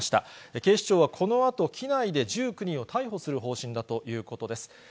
警視庁はこのあと、機内で１９人を逮捕する方針だということです。